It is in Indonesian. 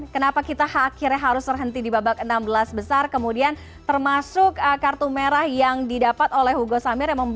kenapa kita akhirnya harus terhenti di babak enam belas besar kemudian termasuk kartu merah yang didapat oleh hugo samir